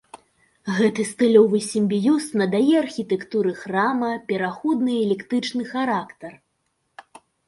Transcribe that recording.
Гэты стылёвы сімбіёз надае архітэктуры храма пераходны эклектычны характар.